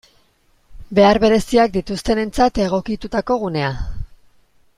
Behar bereziak dituztenentzat egokitutako gunea.